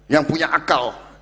yang punya akal